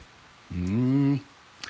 ふん！